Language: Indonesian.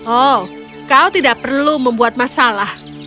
oh kau tidak perlu membuat masalah